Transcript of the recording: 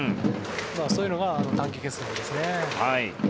そういうのが短期決戦ですね。